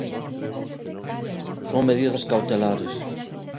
Son medidas cautelares.